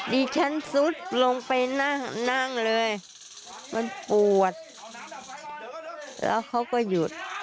ดิฉันซุดลงไปนั่งนั่งเลยมันปวดแล้วเขาก็หยุด